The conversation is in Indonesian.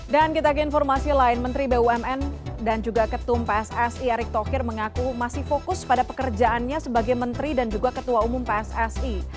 dan kita ke informasi lain menteri bumn dan juga ketum pssi erick tokir mengaku masih fokus pada pekerjaannya sebagai menteri dan juga ketua umum pssi